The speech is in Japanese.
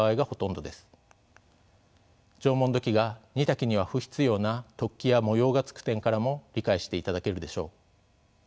縄文土器が煮炊きには不必要な突起や模様がつく点からも理解していただけるでしょう。